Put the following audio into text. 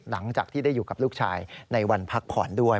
หลังจากที่ได้อยู่กับลูกชายในวันพักผ่อนด้วย